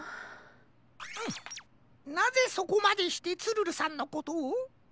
なぜそこまでしてツルルさんのことを？